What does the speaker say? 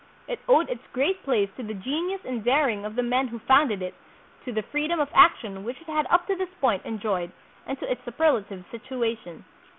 It owed its great place to the genius and daring of the men who founded it, to the free dom of action which it had up to this point enjoyed, and to its superlative situation.